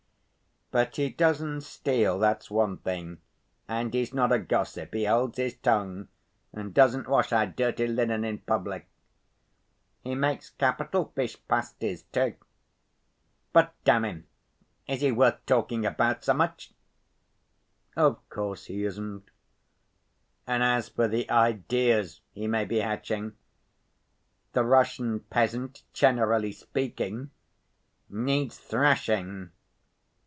But he doesn't steal, that's one thing, and he's not a gossip, he holds his tongue, and doesn't wash our dirty linen in public. He makes capital fish pasties too. But, damn him, is he worth talking about so much?" "Of course he isn't." "And as for the ideas he may be hatching, the Russian peasant, generally speaking, needs thrashing.